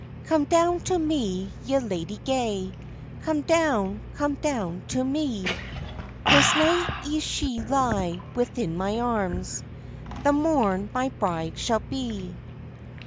"Come down to me, ye ladye gay, Come down, come down to me; This night ye shall lye within my arms, The morn my bride shall be."